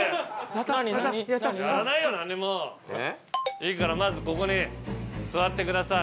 いいからまずここに座ってください。